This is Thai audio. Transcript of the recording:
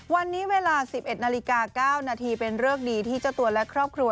วันนี้เวลา๑๑นาฬิกา๙นาทีเป็นเริกดีที่เจ้าตัวและครอบครัว